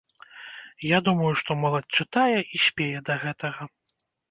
Я думаю, што моладзь чытае і спее да гэтага.